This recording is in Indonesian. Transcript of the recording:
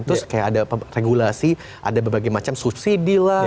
terus kayak ada regulasi ada berbagai macam subsidi lah